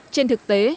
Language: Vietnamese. trên thực tế